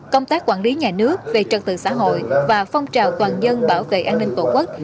công tác quản lý nhà nước về trật tự xã hội và phong trào toàn dân bảo vệ an ninh tổ quốc